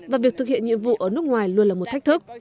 và việc thực hiện nhiệm vụ ở nước ngoài luôn là một thách thức